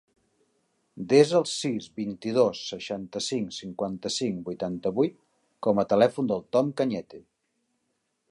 Desa el sis, vint-i-dos, seixanta-cinc, cinquanta-cinc, vuitanta-vuit com a telèfon del Tom Cañete.